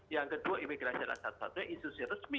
yang kedua imigrasi adalah satu satunya institusi resmi